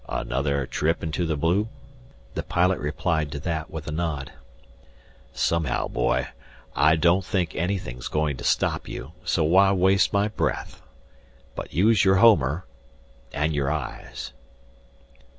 "Another trip into the blue?" The pilot replied to that with a nod. "Somehow, boy, I don't think anything's going to stop you, so why waste my breath? But use your homer and your eyes!"